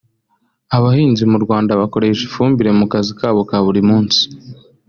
Abahinzi mu Rwanda bakoresha ifumbire mu kazi kabo ka buri munsi